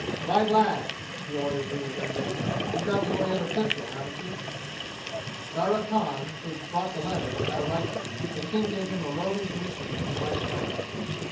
"Ride last!" he ordered Rewa Gunga. "You've got the only other pistol, haven't you?" Darya Khan, who had brought the letter, had a rifle; so King gave him a roving commission on the right flank.